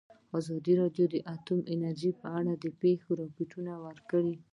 ازادي راډیو د اټومي انرژي په اړه د پېښو رپوټونه ورکړي.